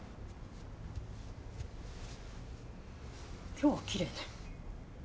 今日はきれいね。